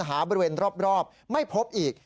บริเวณรอบไม่พบอีก